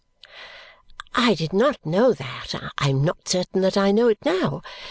"I did not know that; I am not certain that I know it now.